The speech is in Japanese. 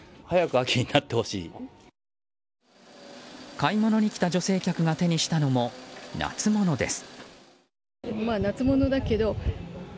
買い物に来た女性客が手にしたのも、夏物です。